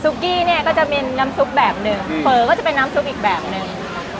กี้เนี่ยก็จะมีน้ำซุปแบบหนึ่งเผลอก็จะเป็นน้ำซุปอีกแบบหนึ่ง